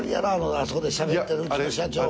あそこでしゃべってるうちの社長。